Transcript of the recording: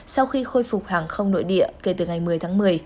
sau khi khôi phục hàng không nội địa kể từ ngày một mươi tháng một mươi